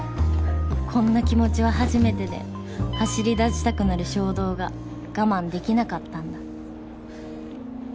こんな気持ちは初めてで走り出したくなる衝動が我慢出来なかったんだ